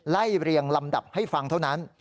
เรียงลำดับให้ฟังเท่านั้น